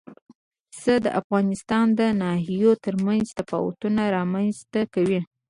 پسه د افغانستان د ناحیو ترمنځ تفاوتونه رامنځ ته کوي.